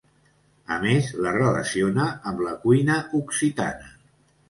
A més la relaciona amb la cuina occitana.